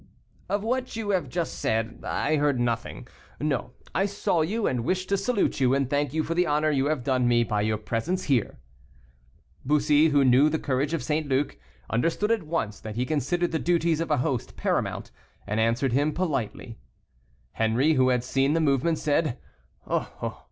"Of what you have just said, I heard nothing. No, I saw you, and wished to salute you, and thank you for the honor you have done me by your presence here." Bussy, who knew the courage of St. Luc, understood at once that he considered the duties of a host paramount, and answered him politely. Henri, who had seen the movement said, "Oh, oh!